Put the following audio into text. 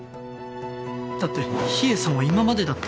だって秘影さんは今までだって。